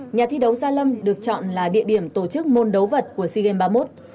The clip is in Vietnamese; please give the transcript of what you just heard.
nhà thi đấu gia lâm được chọn là địa điểm tổ chức môn đấu vật của sea games ba mươi một